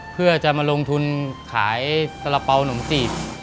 เพื่อจะมาลงทุนขายสาระเป๋าหนมจีบ